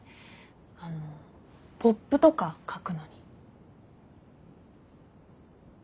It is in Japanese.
あのポップとかかくのに。